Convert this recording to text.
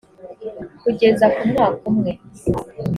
kugeza ku mwaka umwe